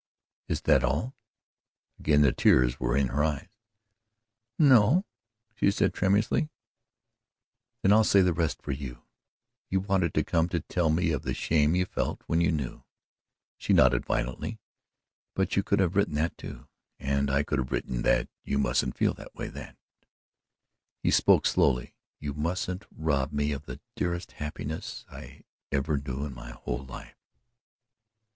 "Is that all?" Again the tears were in her eyes. "No," she said tremulously. "Then I'll say the rest for you. You wanted to come to tell me of the shame you felt when you knew," she nodded violently "but you could have written that, too, and I could have written that you mustn't feel that way that" he spoke slowly "you mustn't rob me of the dearest happiness I ever knew in my whole life."